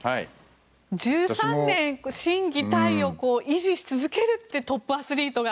１３年心技体を維持し続けるってトップアスリートが。